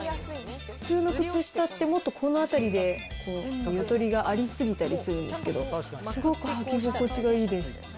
普通の靴下って、もっとこの辺りでこう、ゆとりがあり過ぎたりするんですけど、すごく履き心地がいいです。